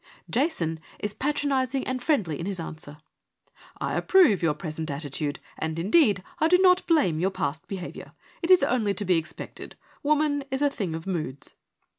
Jason is patronising and friendly in his answer :' I approve your present attitude, and, indeed, I do not blame your past behaviour : it is only to be expected : woman is a thing of moods.'